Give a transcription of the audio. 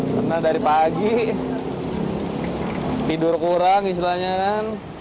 karena dari pagi tidur kurang istilahnya kan